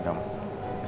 gak ada kesetan kamu